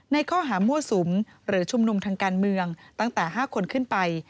ในข้อหามั่วสุมหรือชุมนุมทางการเมืองตั้งแต่๕คนขึ้นไป